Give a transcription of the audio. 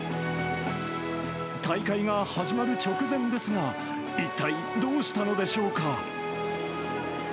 大会が始まる直前ですが、一体どうしたのでしょうか？